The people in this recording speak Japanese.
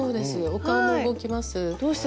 お顔も動きます。